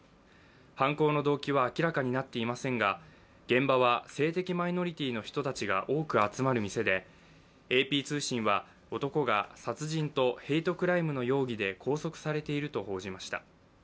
犯行の動機は明らかになっていませんが現場は性的マイノリティーの人たちが多く集まる店でＡＰ通信は、男が殺人とヘイトクライムの容疑で拘束されていると報じました。